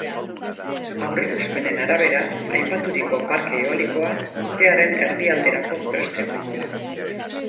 Aurreikuspenen arabera, aipaturiko parke eolikoa urtearen erdialderako prest egongo da.